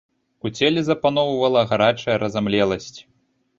У целе запаноўвала гарачая разамлеласць.